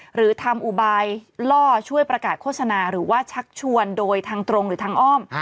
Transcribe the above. หรือทำอุบายล่อช่วยประกาศโฆษณาหรือว่าชักชวนโดยทางตรงหรือทางอ้อม